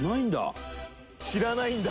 知らないんだ。